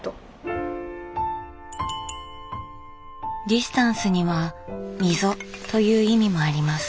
ディスタンスには「溝」という意味もあります。